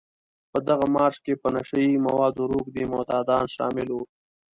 په دغه مارش کې په نشه يي موادو روږدي معتادان شامل وو.